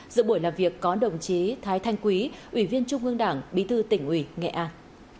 giữa buổi làm việc có đồng chí thái thanh quý ủy viên trung ương đảng bí thư tỉnh ủy nghệ an